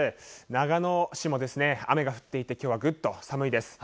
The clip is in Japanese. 長野市も雨が降っていて今日はぐっと寒いです。